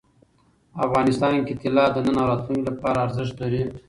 افغانستان کې طلا د نن او راتلونکي لپاره ارزښت لري.